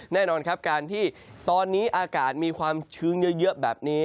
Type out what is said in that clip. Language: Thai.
แน่นอนครับการที่ตอนนี้อากาศมีความชื้นเยอะแบบนี้